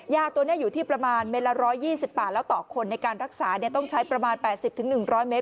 ยาตัวนี้อยู่ที่ประมาณเม็ดละ๑๒๐บาทแล้วต่อคนในการรักษาต้องใช้ประมาณ๘๐๑๐๐เมตร